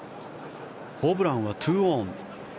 ホブランは２オン。